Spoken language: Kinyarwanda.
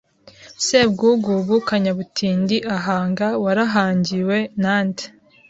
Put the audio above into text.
Sebwugugu Kanyabutindi ahanga waharangiwe nande